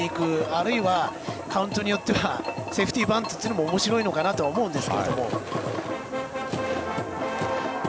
あるいはカウントによってはセーフティーバントでもおもしろいのかなと思うんですけど。